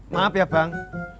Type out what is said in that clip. maaf ya bang